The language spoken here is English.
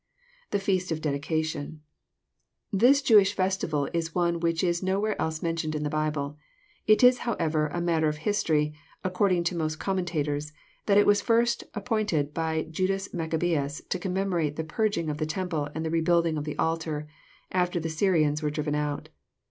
[ The feast of the dedication,'] Th is Jewish festival is one which is nowhere else mentioned in the Bible. It is, however, a matter of history, according to most commentators, that it was first appointed by Judas Maccabeus to commemorate the purging of the temple, and the rebuilding of the altar, after the Syrians were driven out.